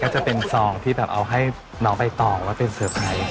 ก็จะเป็นซองที่แบบเอาให้น้องใบตองไว้เป็นเซอร์ไพรส์